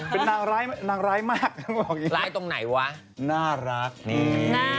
เป็นนางร้ายมากว่านี่